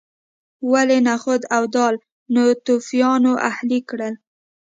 ولې نخود او دال ناتوفیانو اهلي کړل.